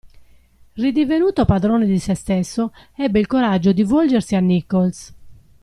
Ridivenuto padrone di se stesso, ebbe il coraggio di volgersi a Nichols.